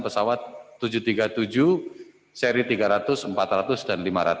pesawat tujuh ratus tiga puluh tujuh seri tiga ratus empat ratus dan lima ratus